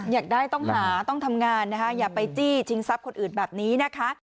อยากได้ต้องหาต้องทำงานนะคะอย่าไปจี้ชิงทรัพย์คนอื่นแบบนี้นะคะ